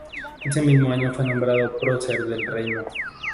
Ese mismo año fue nombrado Prócer del Reino.